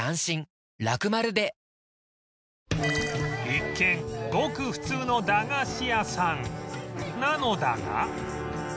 一見ごく普通の駄菓子屋さんなのだが